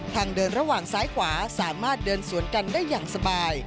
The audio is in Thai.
ทางเดินระหว่างซ้ายขวาสามารถเดินสวนกันได้อย่างสบาย